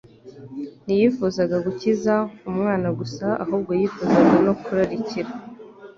Ntiyifuzaga gukiza umwana gusa, ahubwo yifuzaga no kurarikira